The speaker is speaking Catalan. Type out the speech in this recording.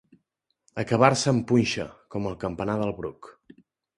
Acabar-se en punxa, com el campanar del Bruc.